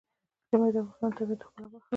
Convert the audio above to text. ژمی د افغانستان د طبیعت د ښکلا برخه ده.